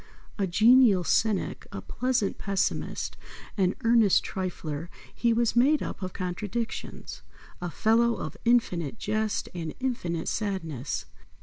A genial cynic, a pleasant pessimist, an earnest trifler, he was made up of contradictions. A fellow of infinite jest and infinite sadness.